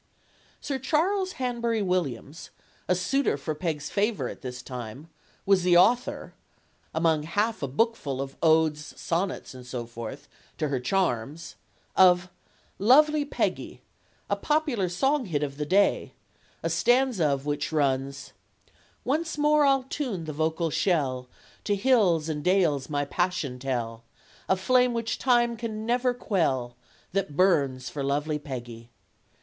Sir Charles Hanbury Williams, a suitor for Peg's favor at this time, was the author among half a bookful of odes, sonnets, and so forth, to her charms of "Lovely Peggy," a popular song "hit" of the day, a stanza of which runs: Once more I'll tune the vocal shell, To hills and dales my passion tell, A flame which time can never quell, That burns for lovely Peggy.